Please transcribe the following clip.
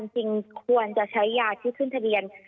จริงควรจะใช้ยาที่ขึ้นทะเบียน